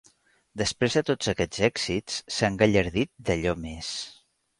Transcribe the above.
Després de tots aquests èxits, s'ha engallardit d'allò més.